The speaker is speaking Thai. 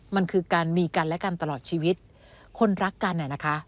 มันคือการมีกันและกันตลอดชีวิตคนรักกันเนี่ยนะคะ